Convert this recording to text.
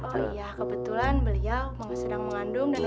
oh iya kebetulan beliau sedang mengandung dan